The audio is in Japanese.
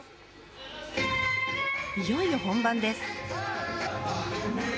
いよいよ本番です